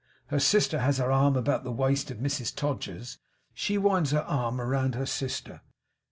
Her sister has her arm about the waist of Mrs Todgers. She winds her arm around her sister.